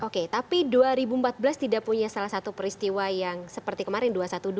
oke tapi dua ribu empat belas tidak punya salah satu peristiwa yang seperti kemarin dua ratus dua belas